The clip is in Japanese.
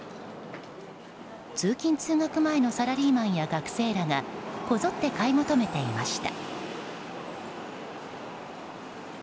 通勤・通学前のサラリーマンや学生らがこぞって買い求めていました。